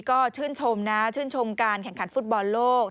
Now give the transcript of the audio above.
ก็ชื่นชมนะชื่นชมการแข่งขันฟุตบอลโลก